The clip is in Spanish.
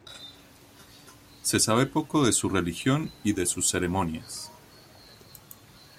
Se sabe poco de su religión y de sus ceremonias.